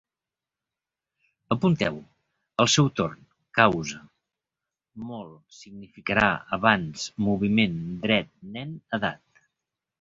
Apunteu: al seu torn, causa, molt, significarà, abans, moviment, dret, nen, edat